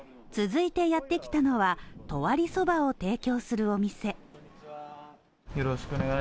続いて、やってきたのは十割そばを提供するお店。